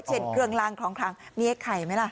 เช่นเครื่องรังครองมีให้ไข่ไหมล่ะ